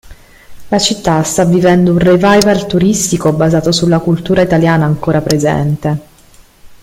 La città sta vivendo un "revival" turistico basato sulla cultura italiana ancora presente.